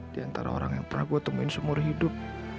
di antara orang yang pernah gue temuin seumur hidup